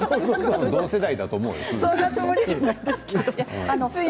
同世代だと思うよ。